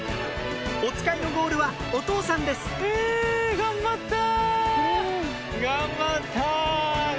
おつかいのゴールはお父さんです頑張った頑張った！